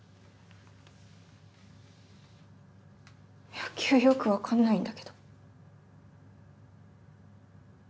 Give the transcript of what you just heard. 野球よくわかんないんだけど。